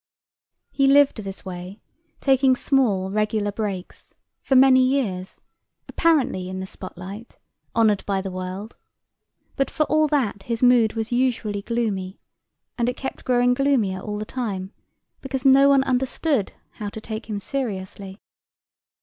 He lived this way, taking small regular breaks, for many years, apparently in the spotlight, honoured by the world, but for all that his mood was usually gloomy, and it kept growing gloomier all the time, because no one understood how to take him seriously.